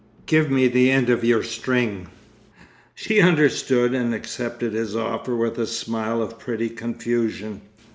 "Give me the end of your string." She understood and accepted his offer with a smile of pretty confusion.